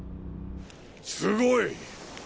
すごい！